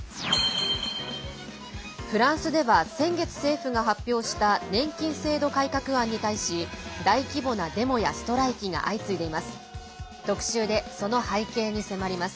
フランスでは先月、政府が発表した年金制度改革案に対し大規模なデモやストライキが相次いでいます。